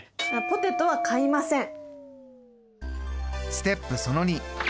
ポテトは買いません！